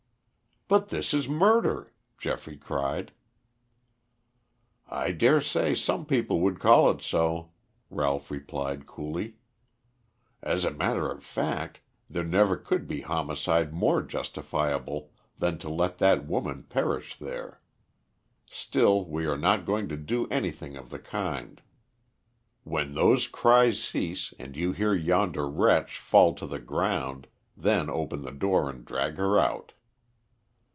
"But this is murder," Geoffrey cried. "I dare say some people would call it so," Ralph replied coolly. "As a matter of fact, there never could be homicide more justifiable than to let that woman perish there. Still, we are not going to do anything of the kind. When those cries cease, and you hear yonder wretch fall to the ground, then open the door and drag her out."